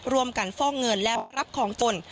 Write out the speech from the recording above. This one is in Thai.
ร่วมกันฟอกเงินและรับของตน